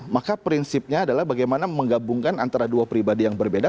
maka prinsipnya adalah bagaimana menggabungkan antara dua pribadi yang berbeda